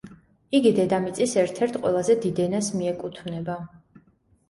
იგი დედამიწის ერთ-ერთ ყველაზე დიდ ენას მიეკუთვნება.